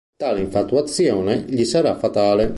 Tale infatuazione gli sarà fatale.